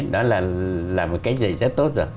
đó là một cách dạy rất tốt rồi